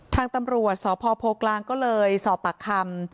ทางตำรวจสพโพกลางก็เลยสอบปากคำ